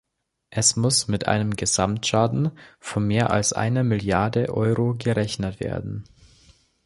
Es muss mit einem Gesamtschaden von mehr als einer Milliarde Euro gerechnet werden.